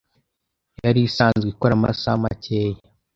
yari isanzwe ikora amasaha makeya,